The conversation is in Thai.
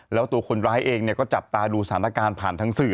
แล้วตัวคนร้ายเองก็จับตาดูสถานการณ์ผ่านทางสื่อ